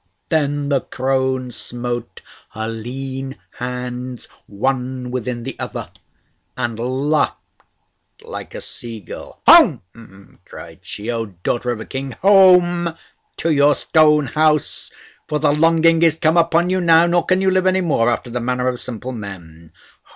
Then the crone smote her lean hands one within the other, and laughed like a sea gull. "Home!" cried she. "O daughter of a King, home to your stone house; for the longing is come upon you now, nor can you live any more after the manner of simple men.